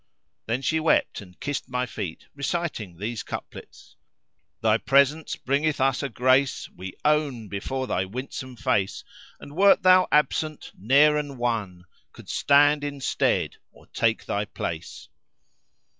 Then she wept and kissed my feet reciting these couplets:— "Thy presence bringeth us a grace * We own before thy winsome face: And wert thou absent ne'er an one * Could stand in stead or take thy place."